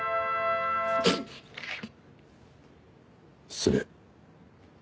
失礼。